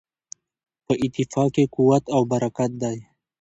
په اتفاق کې قوت او برکت دی.